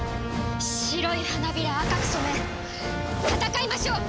白い花びら赤く染め戦いましょう！